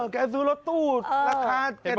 แกซื้อรถตู้ราคา๗๘ล้านบาท